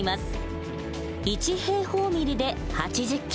１平方ミリで８０ｋｇ。